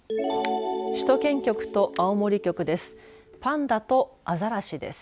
首都圏局と青森局です。